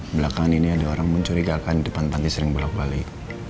belakangan ini ada orang mencurigakan di depan tangki sering bolak balik